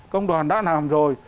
công đoàn đã làm rồi